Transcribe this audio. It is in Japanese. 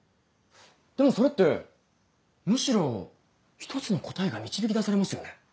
でもそれってむしろ１つの答えが導き出されますよね。